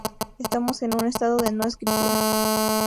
Estamos en un estado de "no escritura".